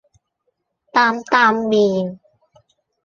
擔擔麵